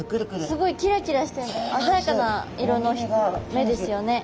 すごいキラキラしてあざやかな色の目ですよね。